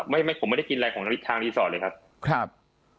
ไม่ไม่ผมไม่ได้กินอะไรของทางรีสอร์ทเลยครับครับ